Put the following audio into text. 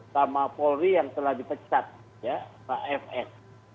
sama polri yang telah dipecat ya pak fs